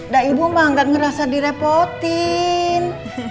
dah ibu mah gak ngerasa direpotin